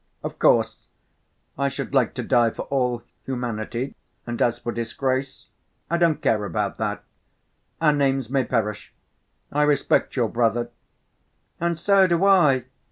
"Of course ... I should like to die for all humanity, and as for disgrace, I don't care about that—our names may perish. I respect your brother!" "And so do I!"